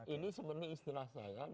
ini seperti istilah saya